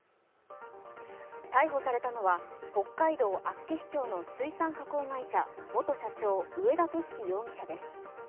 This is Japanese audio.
逮捕されたのは北海道厚岸町の水産加工会社元社長、上田敏樹容疑者です。